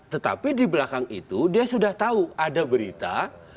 tetapi di belakang itu dia sudah tahu ada berita